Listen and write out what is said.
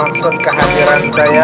ustadz musa'i mulla dan santun